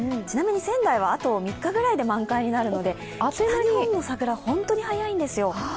ちなみに仙台はあと３日くらいで満開になるので、東日本の桜は本当に早いんですよ。